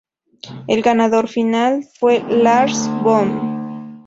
El ganador final fue Lars Boom.